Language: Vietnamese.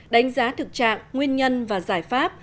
đánh giá thực trạng nguyên nhân và giải pháp